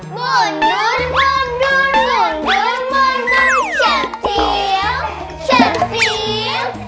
mundur mundur mundur mundur cantik cantik